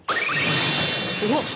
うわっ！